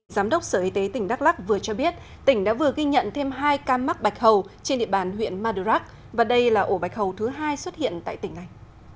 giám đốc sở y tế tỉnh đắk lắc vừa cho biết tỉnh đã vừa ghi nhận thêm hai ca mắc bạch hầu trên địa bàn huyện madurak và đây là ổ bạch hầu thứ hai xuất hiện tại tỉnh này